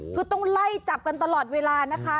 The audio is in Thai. คือต้องไล่จับกันตลอดเวลานะคะ